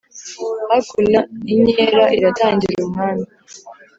hakuno inkera iratangira umwami